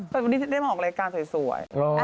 เมื่อกี้ได้มาออกรายการสวย